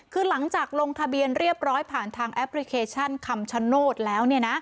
คือหลังจากลงทะเบียนเรียบร้อยผ่านทางแอปพลิเคชันคำชโนธแล้ว